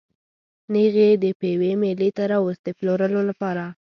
نېغ یې د پېوې مېلې ته راوست د پلورلو لپاره.